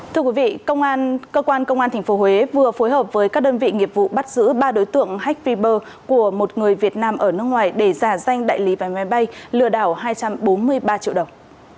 thưa quý vị cơ quan công an tp huế vừa phối hợp với các đơn vị nghiệp vụ bắt giữ ba đối tượng hách viber của một người việt nam ở nước ngoài để giả danh đại lý váy máy bay lừa đảo hai trăm bốn mươi ba triệu đồng